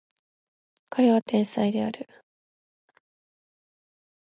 彼は天才である